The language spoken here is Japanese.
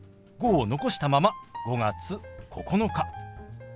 「５」を残したまま「５月９日」。